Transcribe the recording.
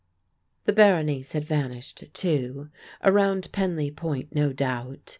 The Berenice had vanished too; around Penlee Point no doubt.